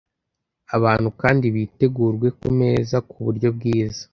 abantu kandi bitegurwe ku meza ku buryo bwiza